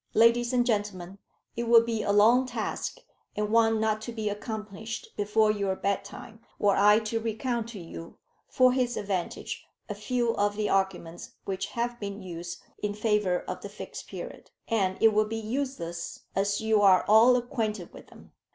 "Ladies and gentlemen, it would be a long task, and one not to be accomplished before your bedtime, were I to recount to you, for his advantage, a few of the arguments which have been used in favour of the Fixed Period, and it would be useless, as you are all acquainted with them.